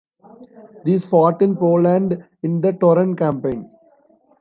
These fought in Poland in the Torun campaign.